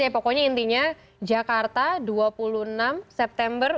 pokoknya intinya jakarta dua puluh enam september